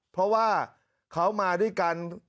เพราะว่าเขามาด้วยกัน